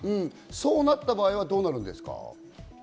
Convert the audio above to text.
そうなった場合はどうなるんですか？